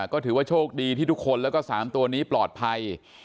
ก็ถือว่าโชคดีที่ทุกคนแล้วก็๓ตัวนี้ปลอดภัย